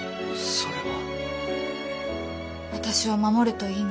それは！